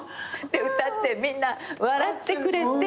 歌ってみんな笑ってくれて。